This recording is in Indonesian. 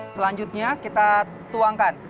selanjutnya kita tuangkan